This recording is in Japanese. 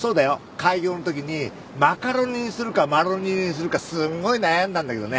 開業の時にマカロニにするかマロニエにするかすっごい悩んだんだけどね。